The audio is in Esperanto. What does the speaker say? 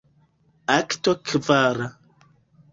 Akto kvara.